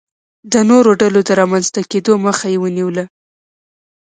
د نورو ډلو د رامنځته کېدو مخه یې ونیوله.